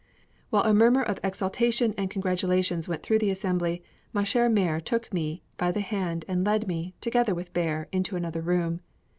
While a murmur of exultation and congratulations went through the assembly, ma chère mère took me by the hand, and led me, together with Bear, into another room.